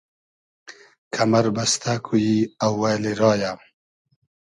کئمئر بئستۂ کو ای اوئلی رایۂ